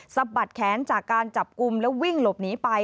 สะบัดแขนจากการจับกลุ่มแล้ววิ่งหลบหนีไป